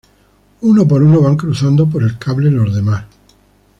Uno por uno van cruzando por el cable los demás.